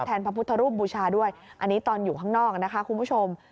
พระพุทธรูปบูชาด้วยอันนี้ตอนอยู่ข้างนอกนะคะคุณผู้ชม